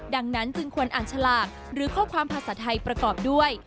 ดังนั้นจึงควรอ่านฉลากหรือข้อความภาษาไทยประกอบด้วย